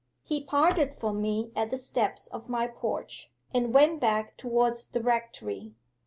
'He parted from me at the steps of my porch, and went back towards the rectory.